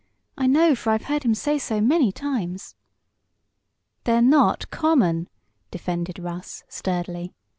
I know, for I've heard him say so many times." "They're not common!" defended Russ, sturdily.